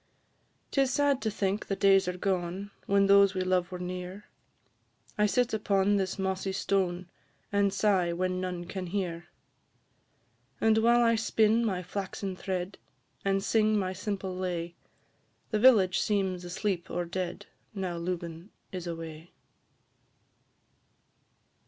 'Tis sad to think the days are gone, When those we love were near; I sit upon this mossy stone, And sigh when none can hear. And while I spin my flaxen thread, And sing my simple lay, The village seems asleep or dead, Now Lubin is away.